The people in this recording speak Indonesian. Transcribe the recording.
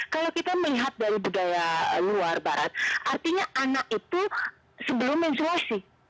kalau kita melihat dari budaya luar barat artinya anak itu sebelum mensulasi